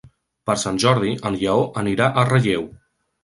Per Sant Jordi en Lleó anirà a Relleu.